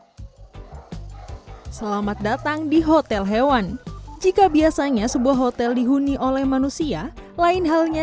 hai selamat datang di hotel hewan jika biasanya sebuah hotel dihuni oleh manusia lain halnya